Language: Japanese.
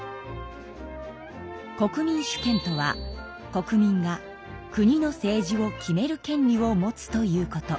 国民主権とは国民が国の政治を決める権利を持つということ。